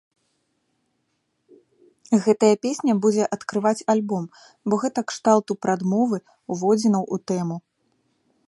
Гэтая песня будзе адкрываць альбом, бо гэта кшталту прадмовы, уводзінаў у тэму.